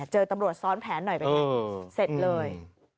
เจอตำรวจซ้อนแผนหน่อยเป็นไงเสร็จเลย